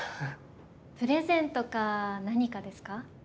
プレゼントか何かですか？